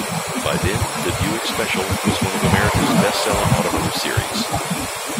By then, the Buick Special was one of America's best selling automotive series.